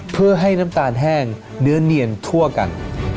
เพื่อให้น้ำตาลแห้งเนื้อเนียนทั่วกัน